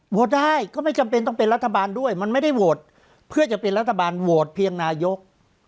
ได้ก็ไม่จำเป็นต้องเป็นรัฐบาลด้วยมันไม่ได้โหวตเพื่อจะเป็นรัฐบาลโหวตเพียงนายก